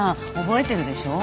覚えてるでしょ？